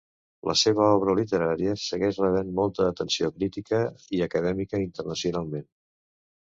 La seva obra literària segueix rebent molta atenció crítica i acadèmica internacionalment.